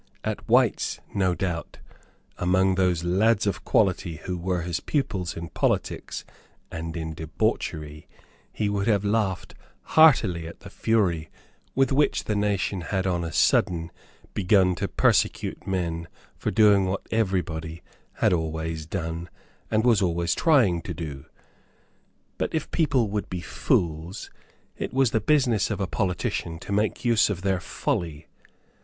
At White's, no doubt, among those lads of quality who were his pupils in politics and in debauchery, he would have laughed heartily at the fury with which the nation had on a sudden begun to persecute men for doing what every body had always done and was always trying to do. But if people would be fools, it was the business of a politician to make use of their folly.